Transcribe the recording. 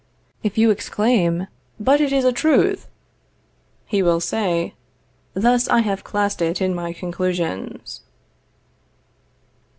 If you exclaim, But it is a truth, he will say, Thus I have classed it in my conclusions.